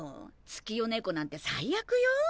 「月夜猫」なんて最悪よ。